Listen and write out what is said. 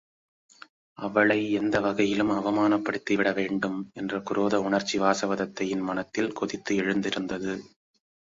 அவளை எந்த வகையிலும் அவமானப்படுத்திவிட வேண்டும் என்ற குரோத உணர்ச்சி வாசவதத்தையின் மனத்தில் கொதித்து எழுந்திருந்தது.